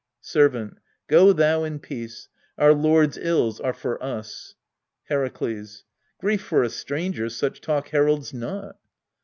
Servant. Go thou in peace : our lords' ills are for us. Herakles. Grief for a stranger such talk heralds not.